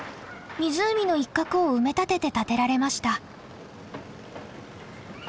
湖の一角を埋め立てて建てられました。